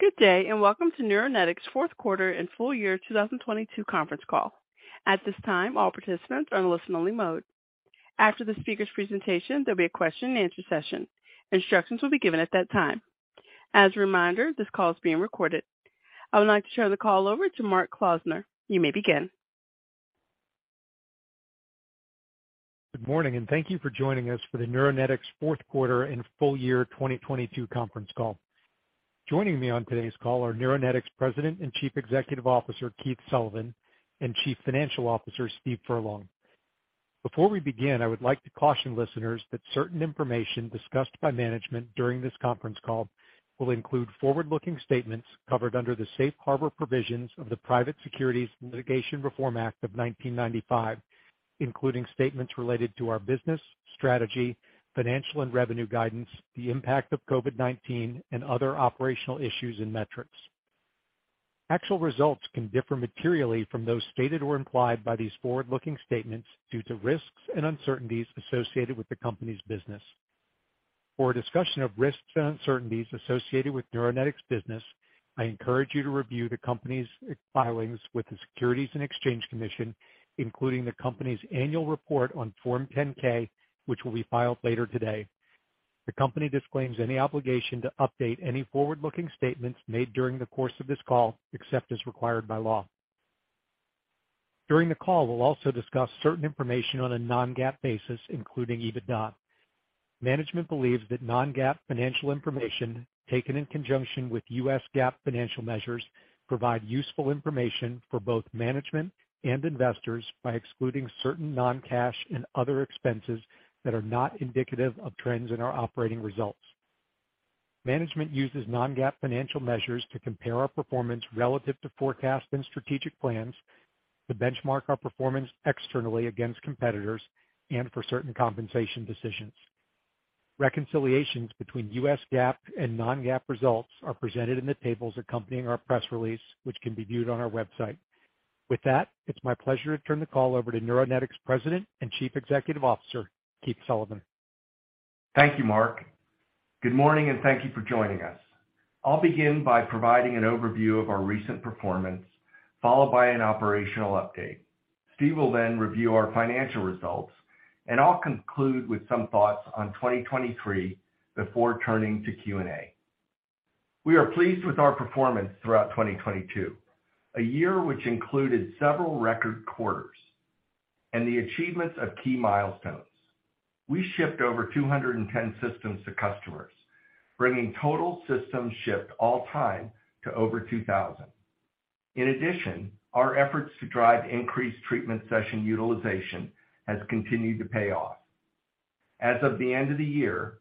Good day, welcome to Neuronetics Fourth Quarter and Full Year 2022 Conference Call. At this time, all participants are in listen only mode. After the speaker's presentation, there'll be a Question-and-Answer session. Instructions will be given at that time. As a reminder, this call is being recorded. I would like to turn the call over to Mark Klausner. You may begin. Good morning. Thank you for joining us for the Neuronetics Fourth Quarter and Full Year 2022 Conference Call. Joining me on today's call are Neuronetics President and Chief Executive Officer, Keith Sullivan, and Chief Financial Officer, Steve Furlong. Before we begin, I would like to caution listeners that certain information discussed by management during this conference call will include forward-looking statements covered under the safe harbor provisions of the Private Securities Litigation Reform Act of 1995, including statements related to our business, strategy, financial and revenue guidance, the impact of COVID-19, and other operational issues and metrics. Actual results can differ materially from those stated or implied by these forward-looking statements due to risks and uncertainties associated with the company's business. For a discussion of risks and uncertainties associated with Neuronetics business, I encourage you to review the company's filings with the Securities and Exchange Commission, including the company's annual report on Form 10-K, which will be filed later today. The company disclaims any obligation to update any forward-looking statements made during the course of this call, except as required by law. During the call, we'll also discuss certain information on a non-GAAP basis, including EBITDA. Management believes that non-GAAP financial information, taken in conjunction with U.S. GAAP financial measures, provide useful information for both management and investors by excluding certain non-cash and other expenses that are not indicative of trends in our operating results. Management uses non-GAAP financial measures to compare our performance relative to forecasts and strategic plans, to benchmark our performance externally against competitors, and for certain compensation decisions. Reconciliations between U.S. GAAP and non-GAAP results are presented in the tables accompanying our press release, which can be viewed on our website. It's my pleasure to turn the call over to Neuronetics President and Chief Executive Officer, Keith Sullivan. Thank you, Mark. Good morning, thank you for joining us. I'll begin by providing an overview of our recent performance, followed by an operational update. Steve will review our financial results, I'll conclude with some thoughts on 2023 before turning to Q&A. We are pleased with our performance throughout 2022, a year which included several record quarters and the achievements of key milestones. We shipped over 210 systems to customers, bringing total systems shipped all-time to over 2,000. Our efforts to drive increased treatment session utilization has continued to pay off. As of the end of the year,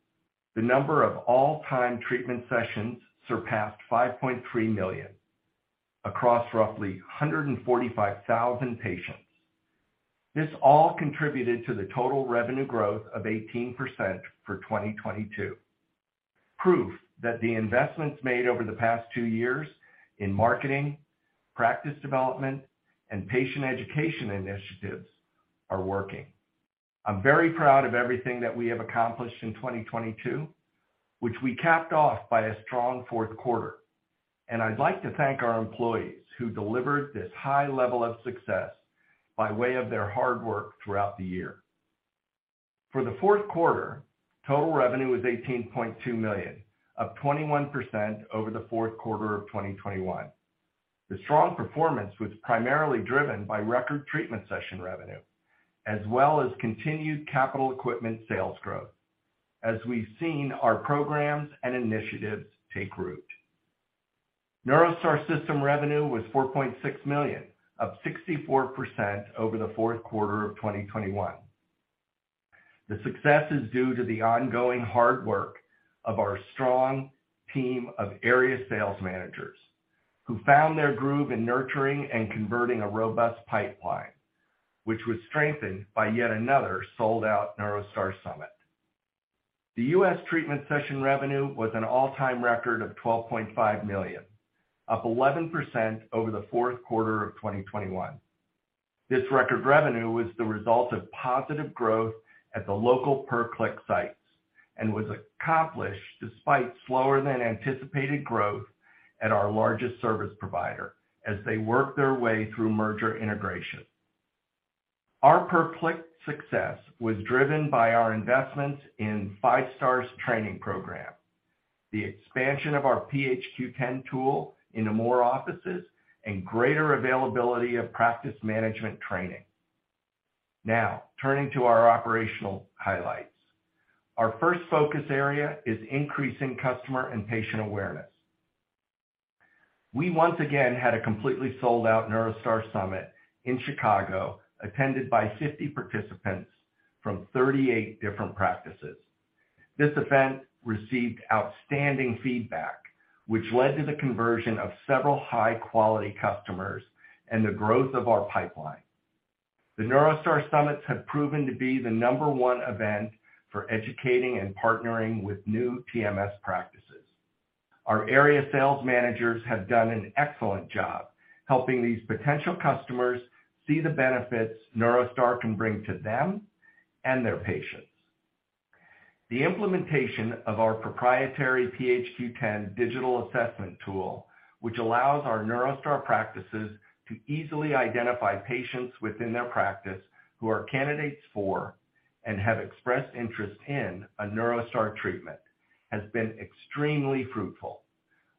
the number of all-time treatment sessions surpassed 5.3 million across roughly 145,000 patients. This all contributed to the total revenue growth of 18% for 2022. Proof that the investments made over the past two years in marketing, practice development, and patient education initiatives are working. I'm very proud of everything that we have accomplished in 2022, which we capped off by a strong fourth quarter. I'd like to thank our employees who delivered this high level of success by way of their hard work throughout the year. For the fourth quarter, total revenue was $18.2 million, up 21% over the fourth quarter of 2021. The strong performance was primarily driven by record treatment session revenue as well as continued capital equipment sales growth as we've seen our programs and initiatives take root. NeuroStar system revenue was $4.6 million, up 64% over the fourth quarter of 2021. The success is due to the ongoing hard work of our strong team of area sales managers who found their groove in nurturing and converting a robust pipeline, which was strengthened by yet another sold-out NeuroStar Summit. The U.S. treatment session revenue was an all-time record of $12.5 million, up 11% over the fourth quarter of 2021. This record revenue was the result of positive growth at the local per-click sites and was accomplished despite slower than anticipated growth at our largest service provider as they work their way through merger integration. Our per-click success was driven by our investments in Five Stars training program, the expansion of our PHQ-10 tool into more offices, and greater availability of practice management training. Turning to our operational highlights. Our first focus area is increasing customer and patient awareness. We once again had a completely sold-out NeuroStar Summit in Chicago, attended by 50 participants from 38 different practices. This event received outstanding feedback, which led to the conversion of several high-quality customers and the growth of our pipeline. The NeuroStar Summits have proven to be the number one event for educating and partnering with new TMS practices. Our area sales managers have done an excellent job helping these potential customers see the benefits NeuroStar can bring to them and their patients. The implementation of our proprietary PHQ-10 digital assessment tool, which allows our NeuroStar practices to easily identify patients within their practice who are candidates for and have expressed interest in a NeuroStar treatment, has been extremely fruitful.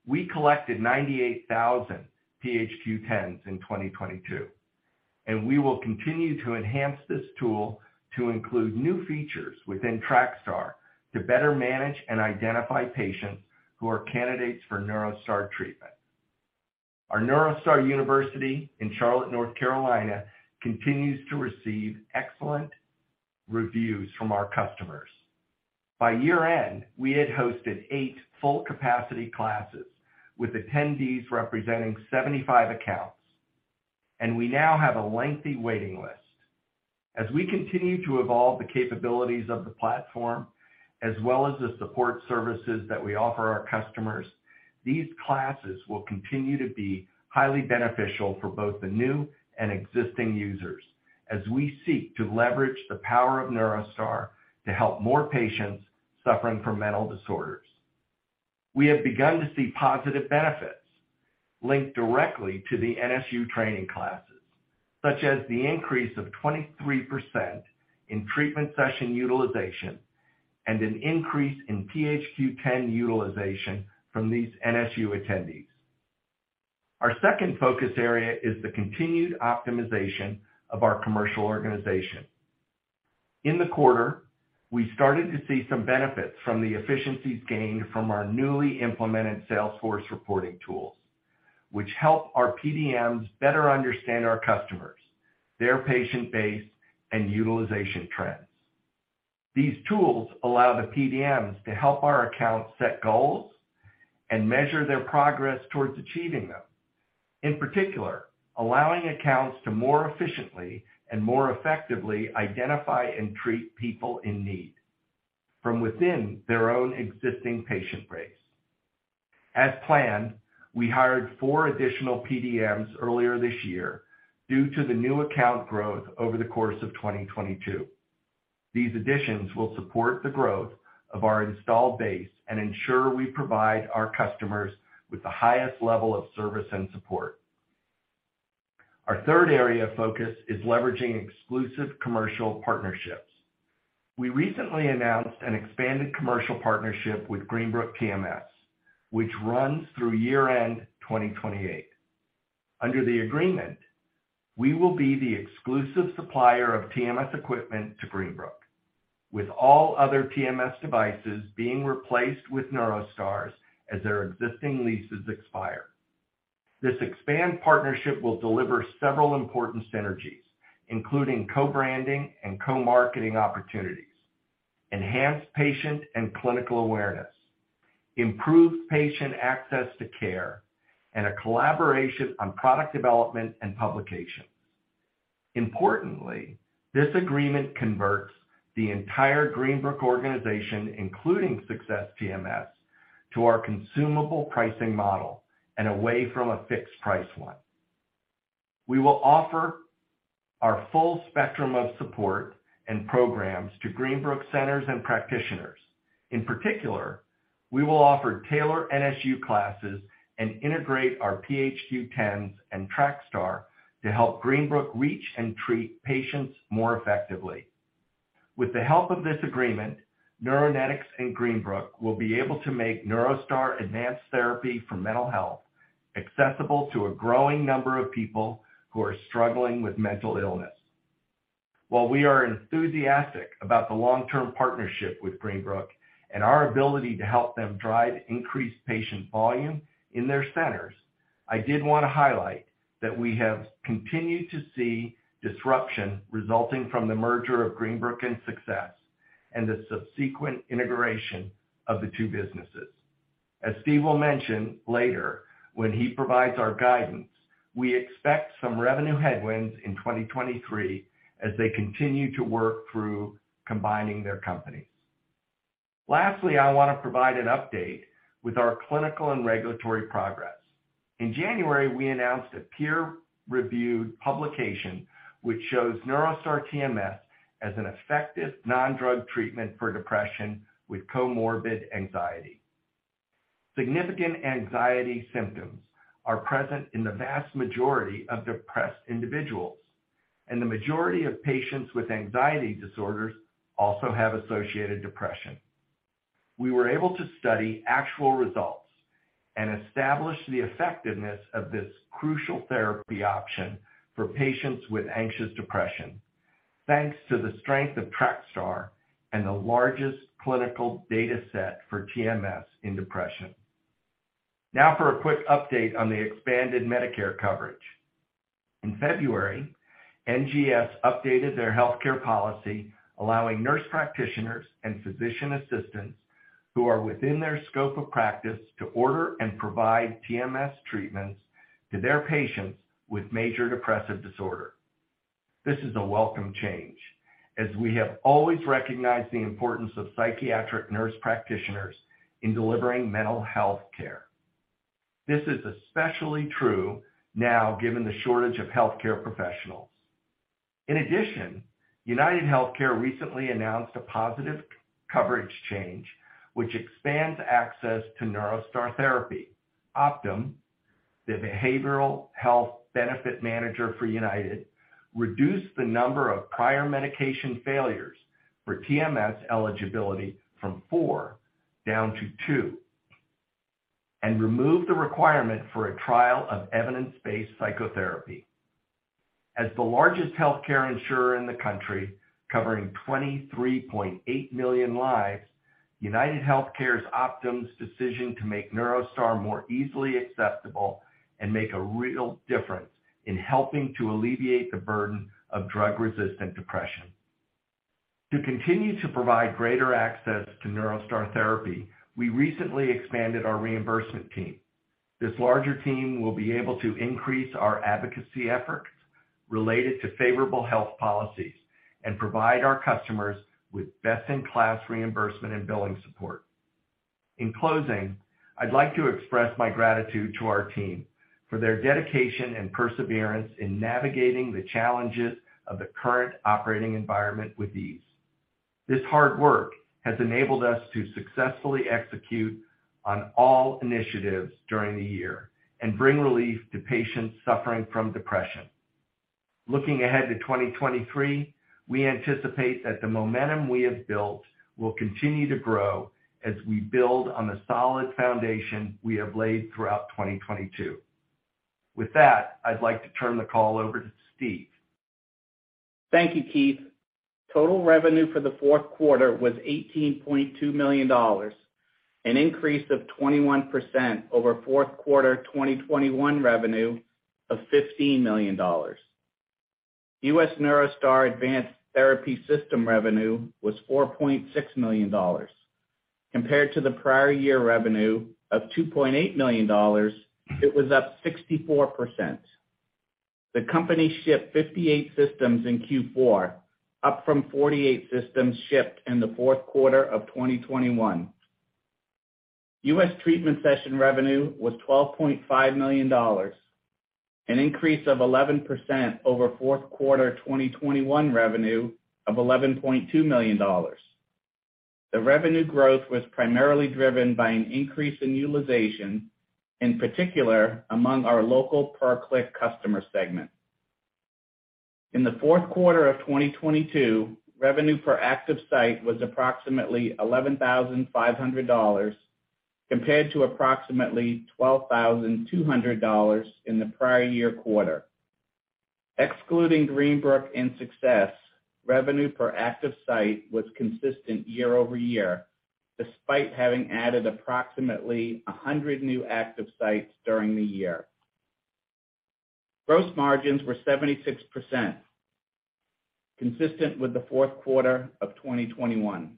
We collected 98,000 PHQ-10s in 2022, and we will continue to enhance this tool to include new features within TrakStar to better manage and identify patients who are candidates for NeuroStar treatment. Our NeuroStar University in Charlotte, North Carolina, continues to receive excellent reviews from our customers. By year-end, we had hosted eigth full capacity classes with attendees representing 75 accounts, and we now have a lengthy waiting list. As we continue to evolve the capabilities of the platform as well as the support services that we offer our customers, these classes will continue to be highly beneficial for both the new and existing users as we seek to leverage the power of NeuroStar to help more patients suffering from mental disorders. We have begun to see positive benefits linked directly to the NSU training classes, such as the increase of 23% in treatment session utilization and an increase in PHQ-10 utilization from these NSU attendees. Our second focus area is the continued optimization of our commercial organization. In the quarter, we started to see some benefits from the efficiencies gained from our newly implemented Salesforce reporting tools, which help our PDMs better understand our customers, their patient base, and utilization trends. These tools allow the PDMs to help our accounts set goals and measure their progress towards achieving them. In particular, allowing accounts to more efficiently and more effectively identify and treat people in need from within their own existing patient base. As planned, we hired four additional PDMs earlier this year due to the new account growth over the course of 2022. These additions will support the growth of our installed base and ensure we provide our customers with the highest level of service and support. Our third area of focus is leveraging exclusive commercial partnerships. We recently announced an expanded commercial partnership with Greenbrook TMS, which runs through year-end 2028. Under the agreement, we will be the exclusive supplier of TMS equipment to Greenbrook, with all other TMS devices being replaced with NeuroStar's as their existing leases expire. This expand partnership will deliver several important synergies, including co-branding and co-marketing opportunities, enhanced patient and clinical awareness, improved patient access to care, and a collaboration on product development and publications. Importantly, this agreement converts the entire Greenbrook organization, including Success TMS, to our consumable pricing model and away from a fixed price one. We will offer our full spectrum of support and programs to Greenbrook centers and practitioners. In particular, we will offer tailored NSU classes and integrate our PHQ-10s and TrakStar to help Greenbrook reach and treat patients more effectively. With the help of this agreement, Neuronetics and Greenbrook will be able to make NeuroStar advanced therapy for mental health accessible to a growing number of people who are struggling with mental illness. While we are enthusiastic about the long-term partnership with Greenbrook and our ability to help them drive increased patient volume in their centers, I did want to highlight that we have continued to see disruption resulting from the merger of Greenbrook and Success and the subsequent integration of the two businesses. As Steve will mention later when he provides our guidance, we expect some revenue headwinds in 2023 as they continue to work through combining their companies. Lastly, I want to provide an update with our clinical and regulatory progress. In January, we announced a peer-reviewed publication which shows NeuroStar TMS as an effective non-drug treatment for depression with comorbid anxiety. Significant anxiety symptoms are present in the vast majority of depressed individuals, and the majority of patients with anxiety disorders also have associated depression. We were able to study actual results and establish the effectiveness of this crucial therapy option for patients with anxious depression thanks to the strength of TrakStar and the largest clinical data set for TMS in depression. For a quick update on the expanded Medicare coverage. In February, NGS updated their healthcare policy, allowing nurse practitioners and physician assistants who are within their scope of practice to order and provide TMS treatments to their patients with major depressive disorder. This is a welcome change, as we have always recognized the importance of psychiatric nurse practitioners in delivering mental health care. This is especially true now, given the shortage of healthcare professionals. In addition, UnitedHealthcare recently announced a positive coverage change which expands access to NeuroStar therapy. Optum, the behavioral health benefit manager for United, reduced the number of prior medication failures for TMS eligibility from four down to two, and removed the requirement for a trial of evidence-based psychotherapy. As the largest healthcare insurer in the country, covering 23.8 million lives, UnitedHealthcare's Optum decision to make NeuroStar more easily accessible and make a real difference in helping to alleviate the burden of drug-resistant depression. To continue to provide greater access to NeuroStar therapy, we recently expanded our reimbursement team. This larger team will be able to increase our advocacy efforts related to favorable health policies and provide our customers with best-in-class reimbursement and billing support. In closing, I'd like to express my gratitude to our team for their dedication and perseverance in navigating the challenges of the current operating environment with ease. This hard work has enabled us to successfully execute on all initiatives during the year and bring relief to patients suffering from depression. Looking ahead to 2023, we anticipate that the momentum we have built will continue to grow as we build on the solid foundation we have laid throughout 2022. With that, I'd like to turn the call over to Steve. Thank you, Keith. Total revenue for the fourth quarter was $18.2 million, an increase of 21% over fourth quarter 2021 revenue of $15 million. U.S. NeuroStar advanced therapy system revenue was $4.6 million. Compared to the prior year revenue of $2.8 million, it was up 64%. The company shipped 58 systems in Q4, up from 48 systems shipped in the fourth quarter of 2021. U.S. treatment session revenue was $12.5 million, an increase of 11% over fourth quarter 2021 revenue of $11.2 million. The revenue growth was primarily driven by an increase in utilization, in particular among our local per-click customer segment. In the fourth quarter of 2022, revenue per active site was approximately $11,500 compared to approximately $12,200 in the prior year quarter. Excluding Greenbrook and Success, revenue per active site was consistent year-over-year, despite having added approximately 100 new active sites during the year. Gross margins were 76%, consistent with the fourth quarter of 2021.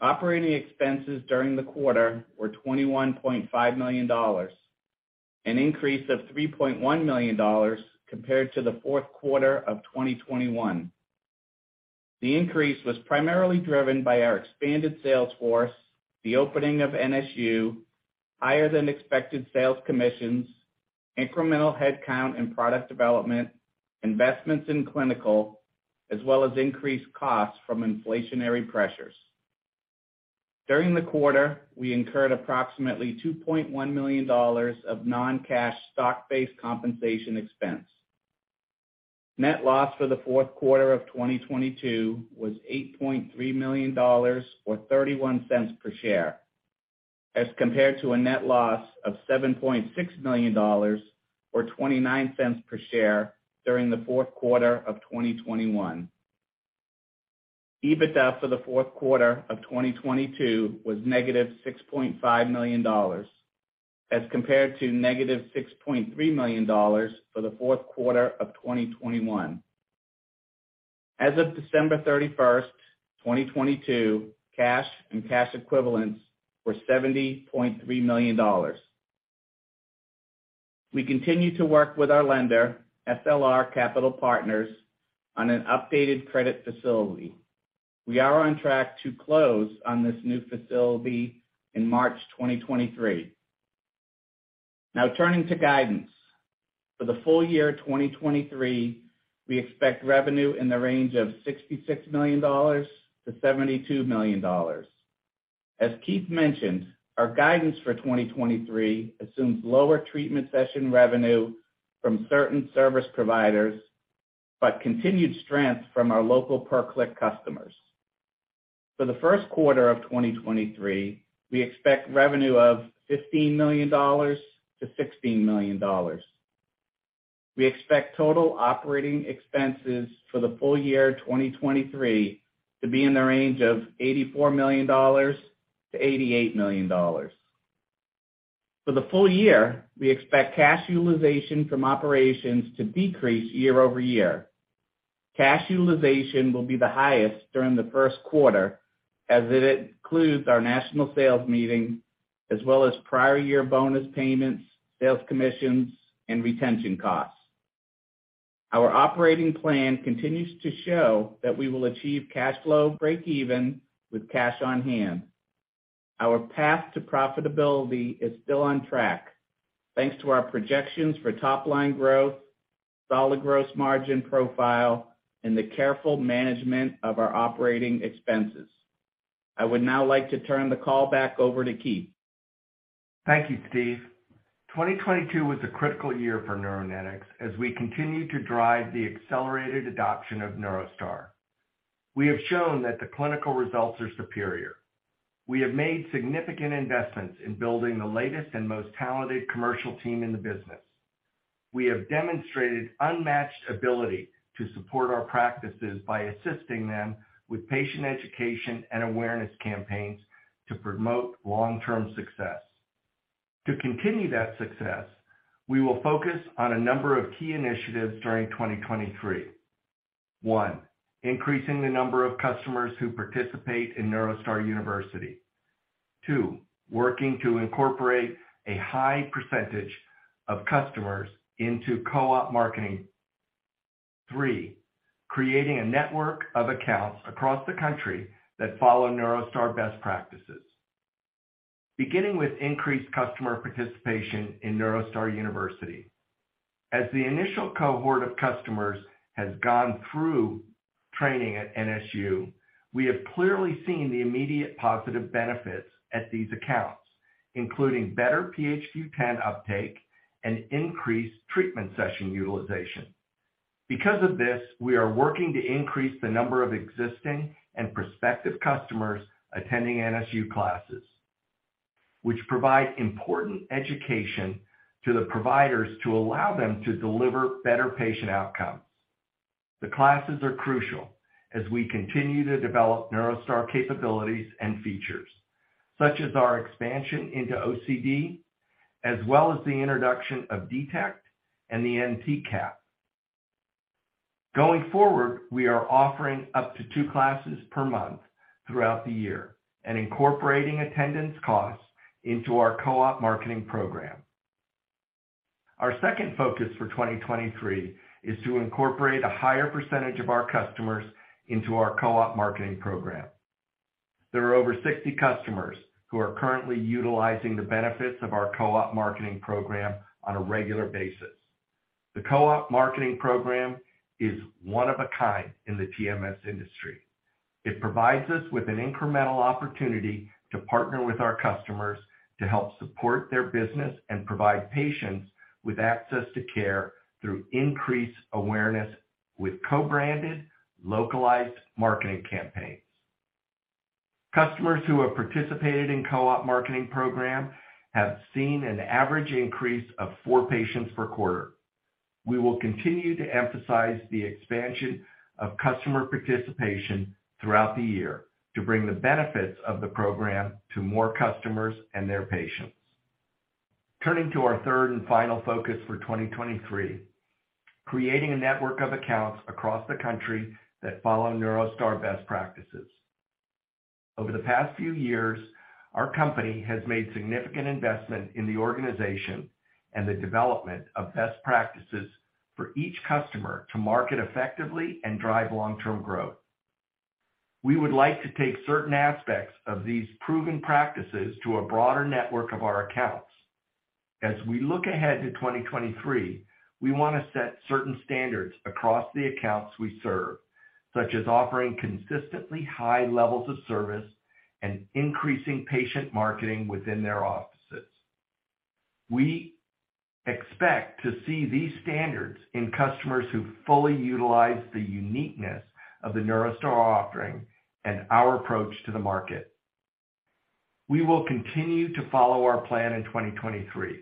Operating expenses during the quarter were $21.5 million, an increase of $3.1 million compared to the fourth quarter of 2021. The increase was primarily driven by our expanded sales force, the opening of NSU, higher than expected sales commissions, incremental headcount and product development, investments in clinical, as well as increased costs from inflationary pressures. During the quarter, we incurred approximately $2.1 million of non-cash stock-based compensation expense. Net loss for the fourth quarter of 2022 was $8.3 million or $0.31 per share, as compared to a net loss of $7.6 million or $0.29 per share during the fourth quarter of 2021. EBITDA for the fourth quarter of 2022 was negative $6.5 million, as compared to negative $6.3 million for the fourth quarter of 2021. As of December 31st, 2022, cash and cash equivalents were $70.3 million. We continue to work with our lender, SLR Capital Partners, on an updated credit facility. We are on track to close on this new facility in March 2023. Turning to guidance. For the full year 2023, we expect revenue in the range of $66 million-$72 million. As Keith mentioned, our guidance for 2023 assumes lower treatment session revenue from certain service providers, but continued strength from our local per-click customers. For the first quarter of 2023, we expect revenue of $15 million-$16 million. We expect total operating expenses for the full year 2023 to be in the range of $84 million-$88 million. For the full year, we expect cash utilization from operations to decrease year-over-year. Cash utilization will be the highest during the first quarter, as it includes our national sales meeting as well as prior year bonus payments, sales commissions, and retention costs. Our operating plan continues to show that we will achieve cash flow breakeven with cash on hand. Our path to profitability is still on track thanks to our projections for top line growth, solid gross margin profile, and the careful management of our operating expenses. I would now like to turn the call back over to Keith. Thank you, Steve. 2022 was a critical year for Neuronetics as we continue to drive the accelerated adoption of NeuroStar. We have shown that the clinical results are superior. We have made significant investments in building the latest and most talented commercial team in the business. We have demonstrated unmatched ability to support our practices by assisting them with patient education and awareness campaigns to promote long-term success. To continue that success, we will focus on a number of key initiatives during 2023. one, increasing the number of customers who participate in NeuroStar University. Two, working to incorporate a high percentage of customers into co-op marketing. Three, creating a network of accounts across the country that follow NeuroStar best practices. Beginning with increased customer participation in NeuroStar University. As the initial cohort of customers has gone through training at NSU, we have clearly seen the immediate positive benefits at these accounts, including better PHQ-10 uptake and increased treatment session utilization. Because of this, we are working to increase the number of existing and prospective customers attending NSU classes, which provide important education to the providers to allow them to deliver better patient outcomes. The classes are crucial as we continue to develop NeuroStar capabilities and features, such as our expansion into OCD, as well as the introduction of D-Tect and the MT Cap. Going forward, we are offering up to two classes per month throughout the year and incorporating attendance costs into our co-op marketing program. Our second focus for 2023 is to incorporate a higher percentage of our customers into our co-op marketing program. There are over 60 customers who are currently utilizing the benefits of our co-op marketing program on a regular basis. The co-op marketing program is one of a kind in the TMS industry. It provides us with an incremental opportunity to partner with our customers to help support their business and provide patients with access to care through increased awareness with co-branded, localized marketing campaigns. Customers who have participated in co-op marketing program have seen an average increase of four patients per quarter. We will continue to emphasize the expansion of customer participation throughout the year to bring the benefits of the program to more customers and their patients. Turning to our third and final focus for 2023, creating a network of accounts across the country that follow NeuroStar best practices. Over the past few years, our company has made significant investment in the organization and the development of best practices for each customer to market effectively and drive long-term growth. We would like to take certain aspects of these proven practices to a broader network of our accounts. As we look ahead to 2023, we want to set certain standards across the accounts we serve, such as offering consistently high levels of service and increasing patient marketing within their offices. We expect to see these standards in customers who fully utilize the uniqueness of the NeuroStar offering and our approach to the market. We will continue to follow our plan in 2023.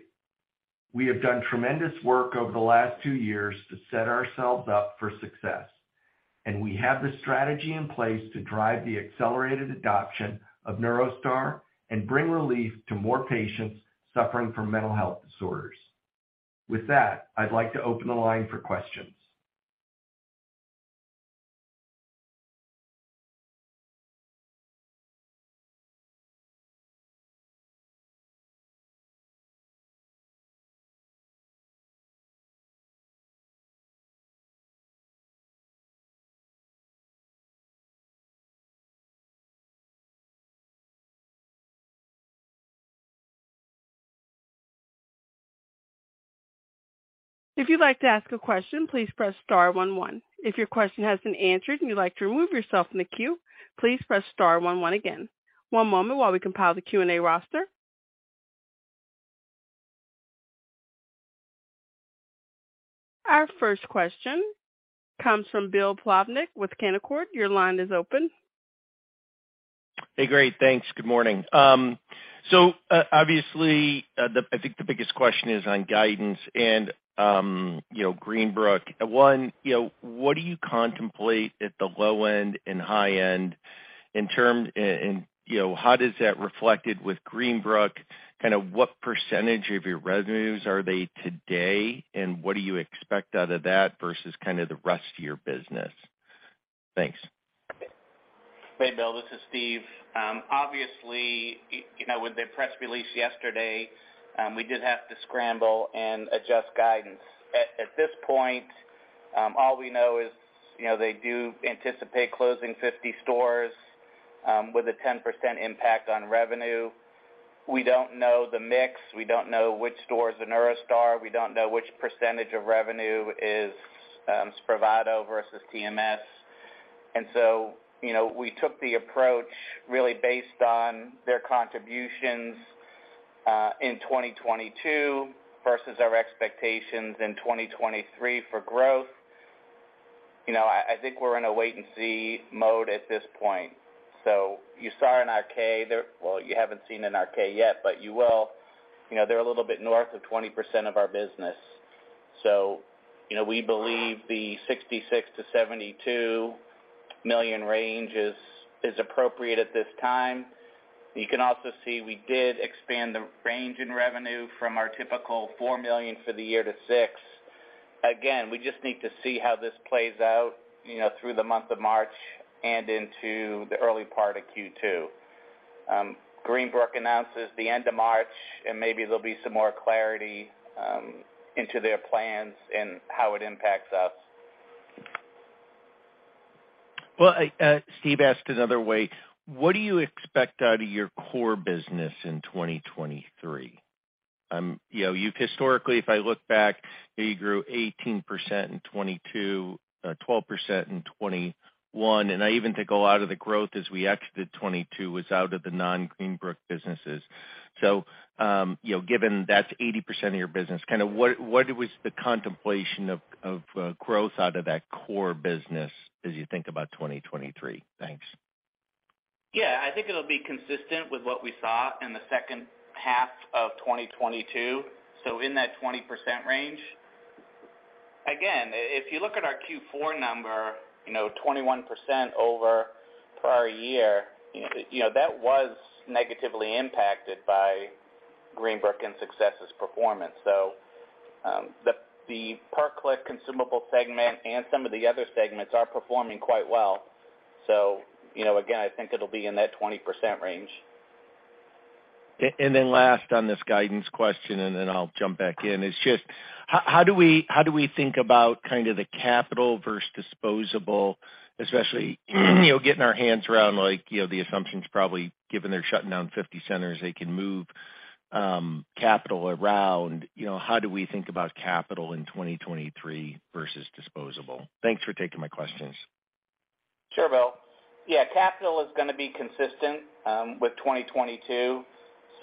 We have done tremendous work over the last two years to set ourselves up for success, and we have the strategy in place to drive the accelerated adoption of NeuroStar and bring relief to more patients suffering from mental health disorders. With that, I'd like to open the line for questions. If you'd like to ask a question, please press star one one. If your question has been answered and you'd like to remove yourself from the queue, please press star one one again. One moment while we compile the Q&A roster. Our first question comes from Bill Plovanic with Canaccord. Your line is open. Hey, great, thanks. Good morning. Obviously, the, I think the biggest question is on guidance and, you know, Greenbrook. One, you know, what do you contemplate at the low end and high end in terms, and, you know, how does that reflected with Greenbrook? Kind of what % of your revenues are they today, and what do you expect out of that versus kind of the rest of your business? Thanks. Hey, Bill, this is Steve. Obviously, you know, with the press release yesterday, we did have to scramble and adjust guidance. At this point, all we know is, you know, they do anticipate closing 50 stores, with a 10% impact on revenue. We don't know the mix, we don't know which stores in NeuroStar, we don't know which percentage of revenue is SPRAVATO versus TMS. You know, we took the approach really based on their contributions in 2022 versus our expectations in 2023 for growth. You know, I think we're in a wait and see mode at this point. You saw in our K there. Well, you haven't seen in our K yet, but you will. You know, they're a little bit north of 20% of our business. You know, we believe the $66 million-$72 million range is appropriate at this time. You can also see we did expand the range in revenue from our typical $4 million for the year to $6 million. Again, we just need to see how this plays out, you know, through the month of March and into the early part of Q2. Greenbrook announces the end of March, and maybe there'll be some more clarity into their plans and how it impacts us. I, Steve, ask another way. What do you expect out of your core business in 2023? You know, you've historically, if I look back, you grew 18% in 2022, 12% in 2021, and I even think a lot of the growth as we exited 2022 was out of the non-Greenbrook businesses. You know, given that's 80% of your business, kind of what was the contemplation of growth out of that core business as you think about 2023? Thanks. Yeah. I think it'll be consistent with what we saw in the second half of 2022, so in that 20% range. Again, if you look at our Q4 number, you know, 21% over prior year, you know, that was negatively impacted by Greenbrook and Success's performance. The per-click consumable segment and some of the other segments are performing quite well. you know, again, I think it'll be in that 20% range. Last on this guidance question, and then I'll jump back in, is just how do we, how do we think about kind of the capital versus disposable, especially, you know, getting our hands around like, you know, the assumptions probably given they're shutting down 50 centers, they can move capital around. You know, how do we think about capital in 2023 versus disposable? Thanks for taking my questions. Sure, Bill. Yeah, capital is gonna be consistent with 2022.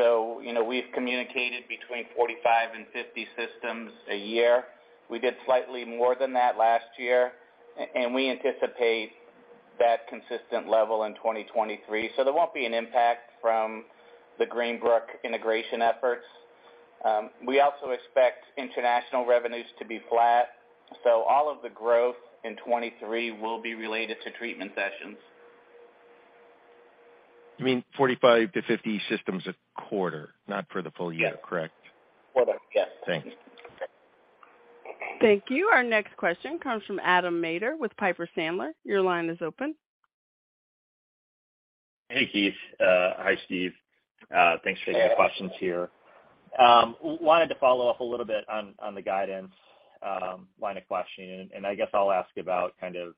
You know, we've communicated between 45 and 50 systems a year. We did slightly more than that last year, and we anticipate that consistent level in 2023. There won't be an impact from the Greenbrook integration efforts. We also expect international revenues to be flat. All of the growth in 2023 will be related to treatment sessions. You mean 45-50 systems a quarter, not for the full year. Yes. Correct? Quarter. Yes. Thanks. Thank you. Our next question comes from Adam Maeder with Piper Sandler. Your line is open. Hey, Keith. Hi, Steve. Thanks for taking the questions here. Wanted to follow up a little bit on the guidance, line of questioning, and I guess I'll ask about kind of,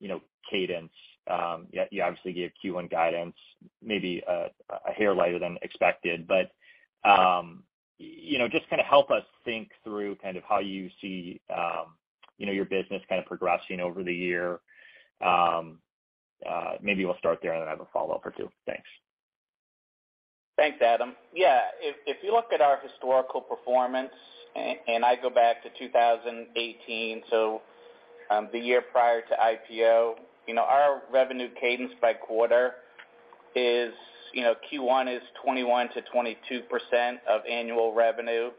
you know, cadence. Yeah, you obviously gave Q1 guidance, maybe a hair lighter than expected. You know, just kind of help us think through kind of how you see, you know, your business kind of progressing over the year. Maybe we'll start there, and then I have a follow-up or two. Thanks. Thanks, Adam. Yeah. If you look at our historical performance, and I go back to 2018, the year prior to IPO, you know, our revenue cadence by quarter is, you know, Q1 is 21%-22% of annual revenue,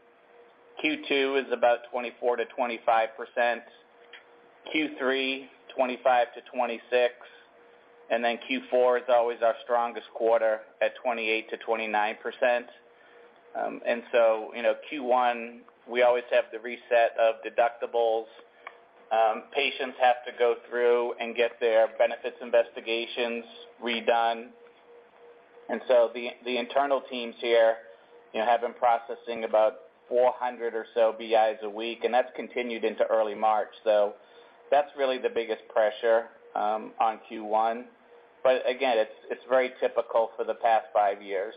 Q2 is about 24%-25%, Q3, 25%-26%, Q4 is always our strongest quarter at 28%-29%. You know, Q1, we always have the reset of deductibles. Patients have to go through and get their benefits investigations redone. The internal teams here, you know, have been processing about 400 or so BIs a week, and that's continued into early March. That's really the biggest pressure on Q1. Again, it's very typical for the past five years.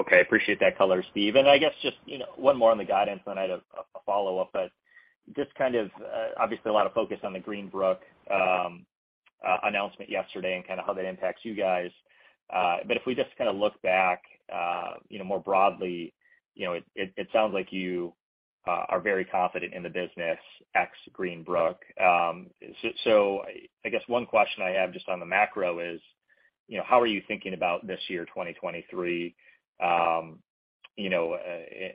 Okay. Appreciate that color, Steve. I guess just, you know, one more on the guidance, and I had a follow-up. Just kind of, obviously a lot of focus on the Greenbrook announcement yesterday and kind of how that impacts you guys. If we just kind of look back, you know, more broadly, you know, it sounds like you are very confident in the business ex Greenbrook. I guess one question I have just on the macro is, you know, how are you thinking about this year, 2023, you know,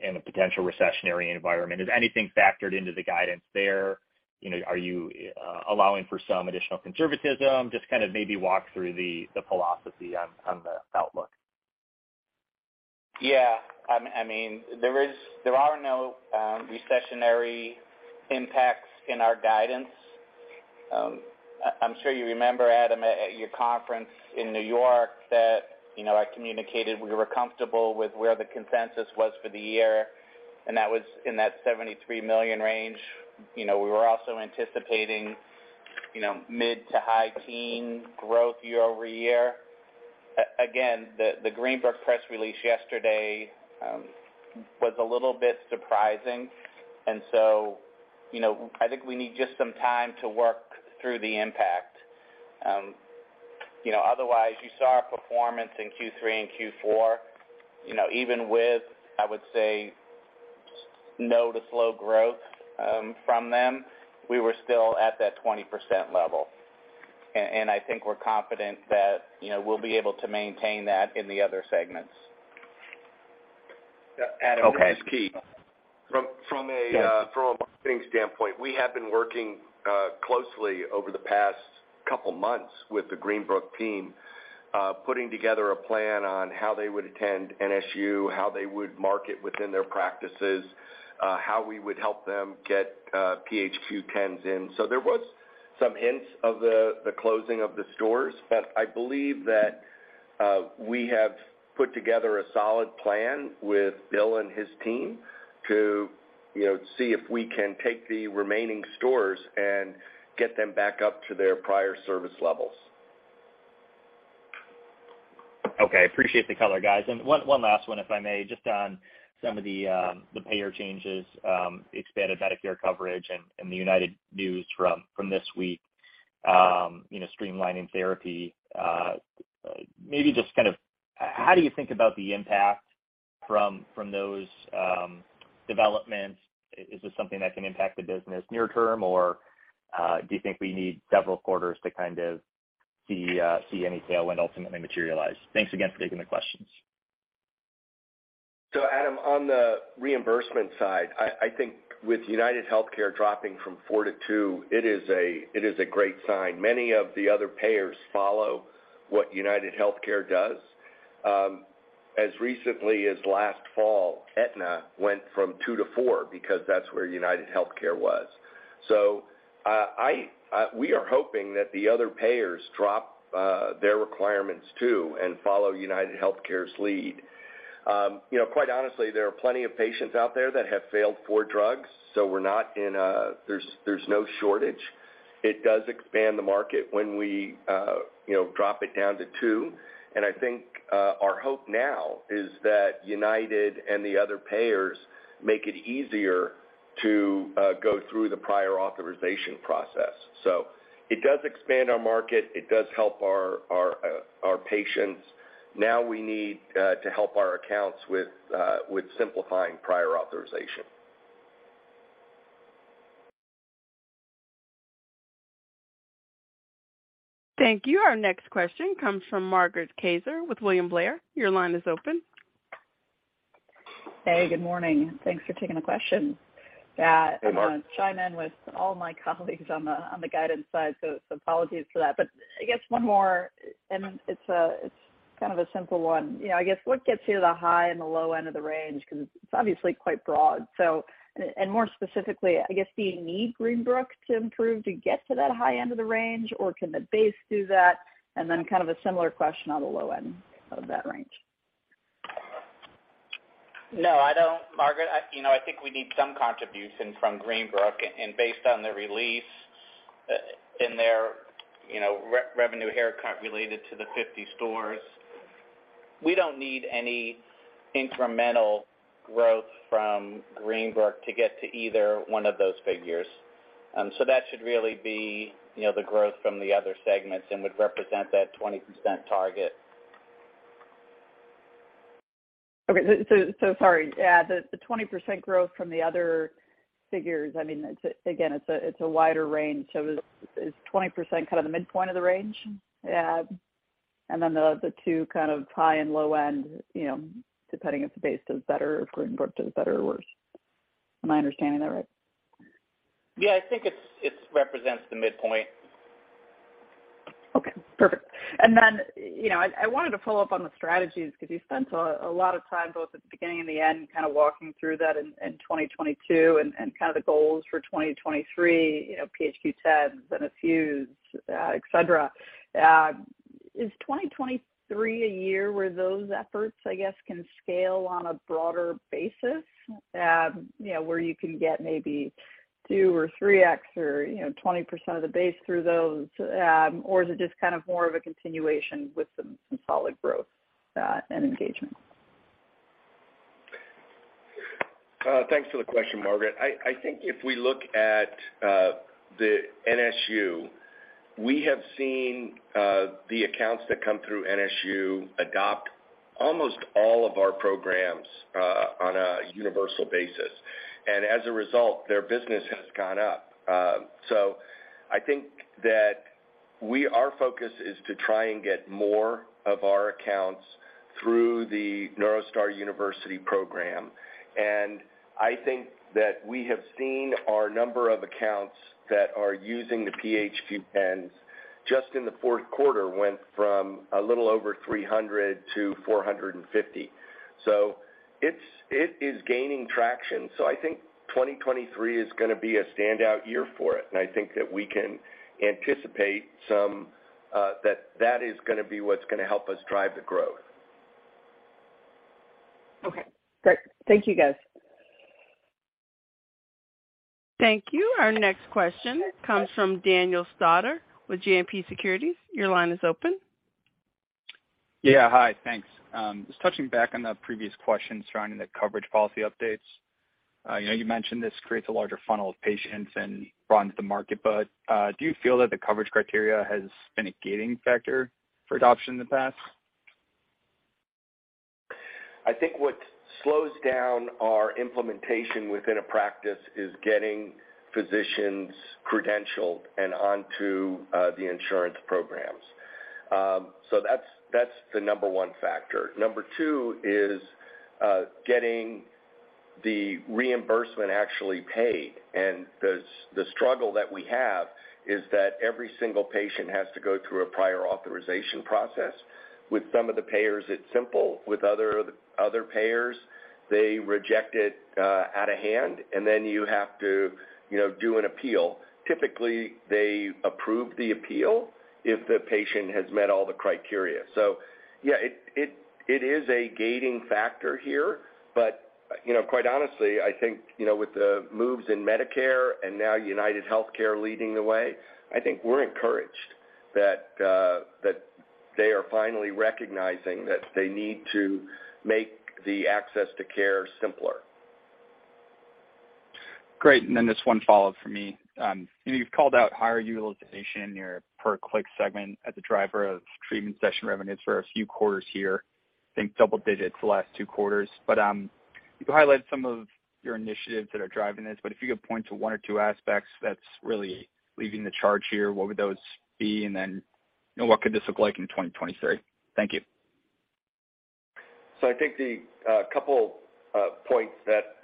in a potential recessionary environment? Is anything factored into the guidance there? You know, are you allowing for some additional conservatism? Just kind of maybe walk through the philosophy on the outlook. Yeah, I mean, there are no recessionary impacts in our guidance. I'm sure you remember, Adam, at your conference in New York that, you know, I communicated we were comfortable with where the consensus was for the year, and that was in that $73 million range. You know, we were also anticipating, you know, mid to high teen growth year-over-year. Again, the Greenbrook press release yesterday was a little bit surprising. You know, I think we need just some time to work through the impact. You know, otherwise, you saw our performance in Q3 and Q4, you know, even with, I would say, no to slow growth from them, we were still at that 20% level. I think we're confident that, you know, we'll be able to maintain that in the other segments. Yeah, Adam. Okay. This is Keith. From. Yes. From a marketing standpoint, we have been working closely over the past couple months with the Greenbrook team, putting together a plan on how they would attend NSU, how they would market within their practices, how we would help them get PHQ-10s in. There was some hints of the closing of the stores, but I believe that we have put together a solid plan with Bill and his team to, you know, see if we can take the remaining stores and get them back up to their prior service levels. Okay. Appreciate the color, guys. One, one last one, if I may, just on some of the payer changes, expanded Medicare coverage and the United news from this week, you know, streamlining therapy, maybe just kind of how do you think about the impact from those developments? Is this something that can impact the business near term, or do you think we need several quarters to kind of see any tailwind ultimately materialize? Thanks again for taking the questions. Adam, on the reimbursement side, I think with UnitedHealthcare dropping from four-two, it is a great sign. Many of the other payers follow what UnitedHealthcare does. As recently as last fall, Aetna went from two-four because that's where UnitedHealthcare was. We are hoping that the other payers drop their requirements too and follow UnitedHealthcare's lead. you know, quite honestly, there are plenty of patients out there that have failed four drugs, so there's no shortage. It does expand the market when we, you know, drop it down to two. I think our hope now is that United and the other payers make it easier to go through the prior authorization process. It does expand our market. It does help our patients. Now we need to help our accounts with simplifying prior authorization. Thank you. Our next question comes from Margaret Kaczor with William Blair. Your line is open. Hey, good morning. Thanks for taking the question. Hey, Margaret. I'm gonna chime in with all my colleagues on the, on the guidance side, so apologies for that. I guess one more, and it's kind of a simple one. You know, I guess what gets you the high and the low end of the range? Cause it's obviously quite broad. and more specifically, I guess, do you need Greenbrook to improve to get to that high end of the range, or can the base do that? then kind of a similar question on the low end of that range. No, I don't, Margaret. You know, I think we need some contribution from Greenbrook. Based on the release, in their, you know, re-revenue haircut related to the 50 stores, we don't need any incremental growth from Greenbrook to get to either one of those figures. That should really be, you know, the growth from the other segments and would represent that 20% target. Sorry. The 20% growth from the other figures, I mean, it's again, it's a wider range. Is 20% kind of the midpoint of the range, and then the two kind of high and low end, you know, depending if the base does better or if Greenbrook does better or worse? Am I understanding that right? Yeah, I think it's represents the midpoint. Okay, perfect. You know, I wanted to follow up on the strategies because you spent a lot of time both at the beginning and the end kind of walking through that in 2022 and kind of the goals for 2023, you know, PHQ-10s and NSU, etc. Is 2023 a year where those efforts, I guess, can scale on a broader basis? You know, where you can get maybe 2x or 3x or, you know, 20% of the base through those, or is it just kind of more of a continuation with some solid growth and engagement? Thanks for the question, Margaret. I think if we look at the NSU, we have seen the accounts that come through NSU adopt almost all of our programs on a universal basis. As a result, their business has gone up. I think that our focus is to try and get more of our accounts through the NeuroStar University program. I think that we have seen our number of accounts that are using the PHQ-10s just in the fourth quarter went from a little over 300-450. It is gaining traction. I think 2023 is gonna be a standout year for it. I think that we can anticipate some that that is gonna be what's gonna help us drive the growth. Okay, great. Thank you, guys. Thank you. Our next question comes from Daniel Stauder with JMP Securities. Your line is open. Yeah. Hi. Thanks. Just touching back on the previous question surrounding the coverage policy updates. You know, you mentioned this creates a larger funnel of patients and broadens the market. Do you feel that the coverage criteria has been a gating factor for adoption in the past? I think what slows down our implementation within a practice is getting physicians credentialed and onto the insurance programs. That's the number one factor. Number two is getting the reimbursement actually paid. The struggle that we have is that every single patient has to go through a prior authorization process. With some of the payers, it's simple. With other payers, they reject it out of hand, and then you have to, you know, do an appeal. Typically, they approve the appeal if the patient has met all the criteria. Yeah, it is a gating factor here. You know, quite honestly, I think, you know, with the moves in Medicare and now UnitedHealthcare leading the way, I think we're encouraged that they are finally recognizing that they need to make the access to care simpler. Great. Just one follow-up from me. You know, you've called out higher utilization in your per-click segment as a driver of treatment session revenues for a few quarters here. I think double digits the last two quarters. You highlighted some of your initiatives that are driving this, but if you could point to one or two aspects that's really leading the charge here, what would those be? You know, what could this look like in 2023? Thank you. I think the couple points that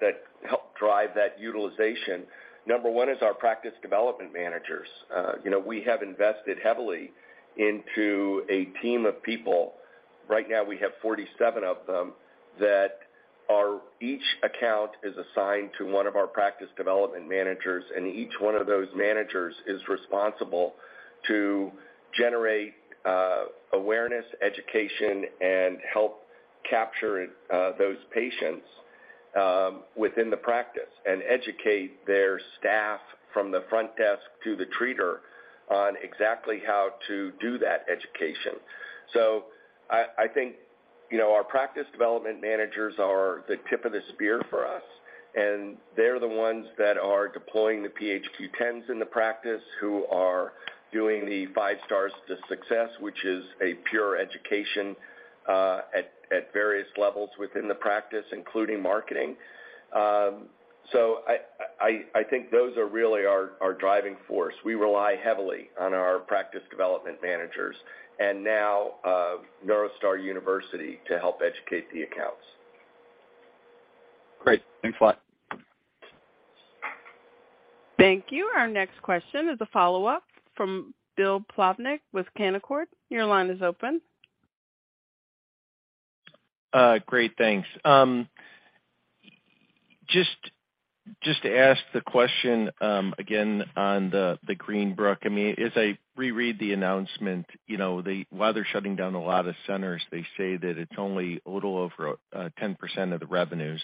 help drive that utilization, number one is our practice development managers. You know, we have invested heavily into a team of people. Right now we have 47 of them that each account is assigned to one of our practice development managers, and each one of those managers is responsible to generate awareness, education, and help capture those patients within the practice and educate their staff from the front desk to the treater on exactly how to do that education. I think, you know, our practice development managers are the tip of the spear for us, and they're the ones that are deploying the PHQ-10s in the practice, who are doing the Five Stars to Success, which is a pure education at various levels within the practice, including marketing. I think those are really our driving force. We rely heavily on our Practice Development Managers and now, NeuroStar University to help educate the accounts. Great. Thanks a lot. Thank you. Our next question is a follow-up from Bill Plovanic with Canaccord. Your line is open. Great. Thanks. Just to ask the question again on the Greenbrook. I mean, as I reread the announcement, you know, while they're shutting down a lot of centers, they say that it's only a little over 10% of the revenues.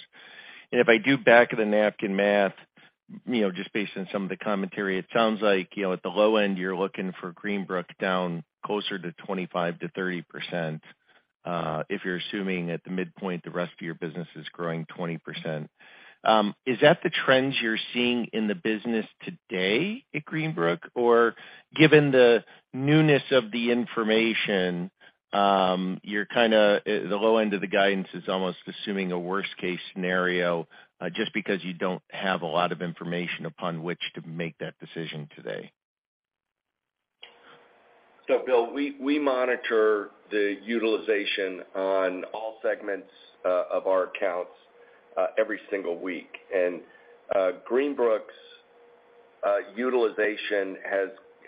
If I do back of the napkin math, you know, just based on some of the commentary, it sounds like, you know, at the low end you're looking for Greenbrook down closer to 25%-30%, if you're assuming at the midpoint the rest of your business is growing 20%. Is that the trends you're seeing in the business today at Greenbrook? Given the newness of the information, the low end of the guidance is almost assuming a worst case scenario, just because you don't have a lot of information upon which to make that decision today. Bill, we monitor the utilization on all segments of our accounts every single week. Greenbrook's utilization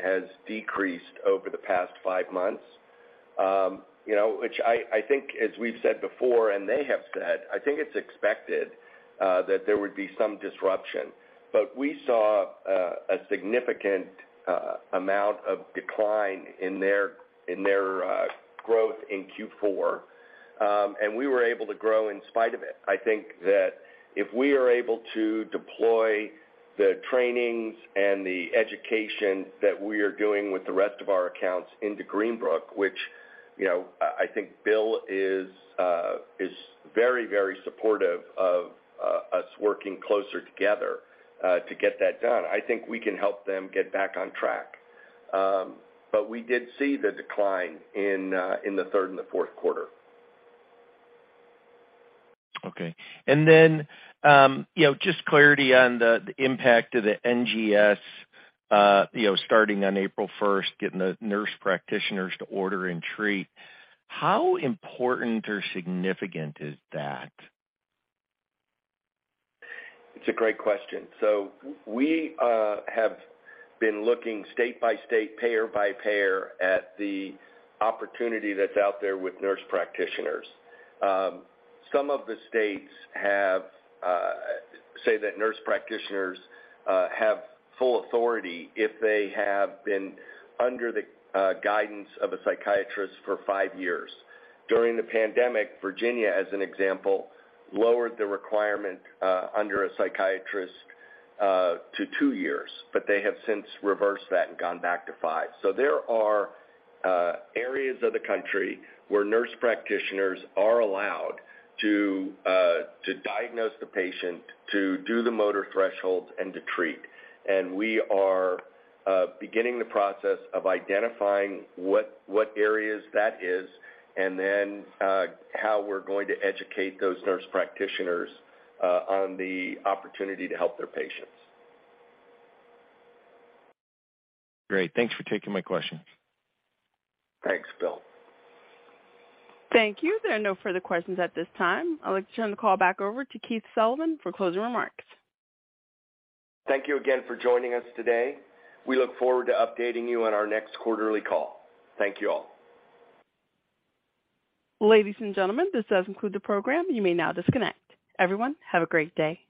has decreased over the past five months. You know, which I think as we've said before, and they have said, I think it's expected that there would be some disruption. We saw a significant amount of decline in their growth in Q4, and we were able to grow in spite of it. I think that if we are able to deploy the trainings and the education that we are doing with the rest of our accounts into Greenbrook, which, you know, I think Bill is very supportive of us working closer together to get that done, I think we can help them get back on track. We did see the decline in the third and the fourth quarter. Okay. You know, just clarity on the impact of the NGS, you know, starting on April 1st, getting the nurse practitioners to order and treat. How important or significant is that? It's a great question. We have been looking state by state, payer by payer at the opportunity that's out there with nurse practitioners. Some of the states have say that nurse practitioners have full authority if they have been under the guidance of a psychiatrist for five years. During the pandemic, Virginia, as an example, lowered the requirement under a psychiatrist to two years, but they have since reversed that and gone back to five. There are areas of the country where nurse practitioners are allowed to diagnose the patient, to do the motor thresholds, and to treat. We are beginning the process of identifying what areas that is and then how we're going to educate those nurse practitioners on the opportunity to help their patients. Great. Thanks for taking my questions. Thanks, Bill. Thank you. There are no further questions at this time. I'll let you turn the call back over to Keith Sullivan for closing remarks. Thank you again for joining us today. We look forward to updating you on our next quarterly call. Thank you all. Ladies and gentlemen, this does conclude the program. You may now disconnect. Everyone, have a great day.